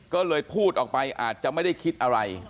ก็เลยพูดออกไปอาจจะไม่ได้คิดอะไร